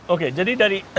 oke jadi dari